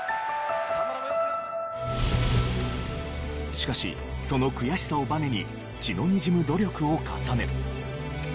しかしその悔しさをバネに血のにじむ努力を重ね。